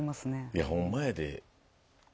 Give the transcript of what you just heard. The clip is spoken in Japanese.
いやほんまやで。